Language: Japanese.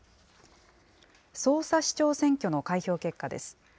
匝瑳市長選挙の開票結果です。